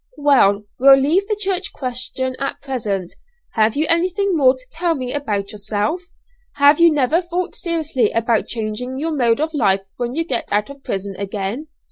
"Well, we'll leave the church question at present. Have you anything more to tell me about yourself? Have you never thought seriously about changing your mode of life when you get out of prison again?